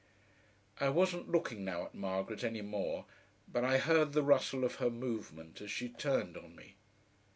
I wasn't looking now at Margaret any more, but I heard the rustle of her movement as she turned on me.